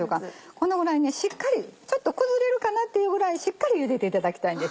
このぐらいしっかりちょっと崩れるかなっていうぐらいしっかり茹でていただきたいんですね。